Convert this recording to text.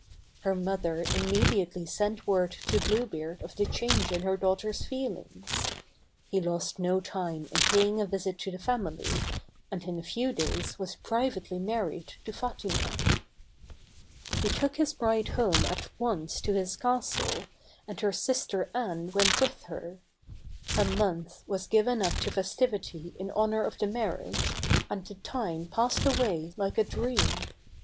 Her mother imme diately sent word to Blue Beard of the change in her daugh ter's feelings. He lost no time in paying a visit to the family, — and in a few days was privately married to Fatima. He took his bride home at once to his castle, and her sister 270 BLUE BEARD. 271 IN THE BLUE CLOSET BLUE BEARD. Anne went with her. A month was given up to festivity in honor of the marriage, and the time passed away like a dream.